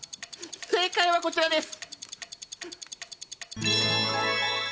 正解はこちらです！